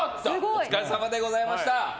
お疲れさまでございました。